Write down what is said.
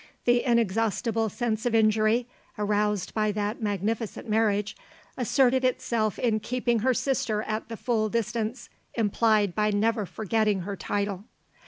The inexhaustible sense of injury, aroused by that magnificent marriage, asserted itself in keeping her sister at the full distance implied by never forgetting her title.